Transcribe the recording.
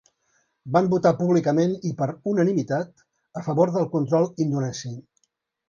Van votar públicament i per unanimitat a favor del control indonesi.